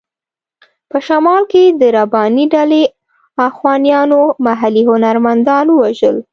په شمال کې د رباني ډلې اخوانیانو محلي هنرمندان ووژل.